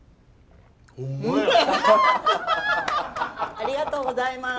ありがとうございます。